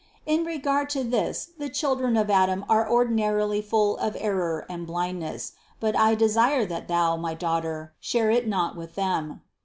In regard to this the children of Adam are ordinarily full of error and blindness, but I desire that thou, my daughter, share it not with them.